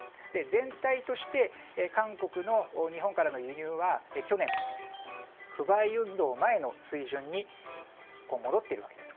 全体として韓国の日本からの輸入は去年、不買運動前の水準に戻っているわけです。